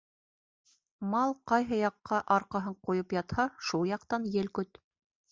Мал ҡайһы яҡҡа арҡаһын ҡуйып ятһа, шул яҡтан ел көт.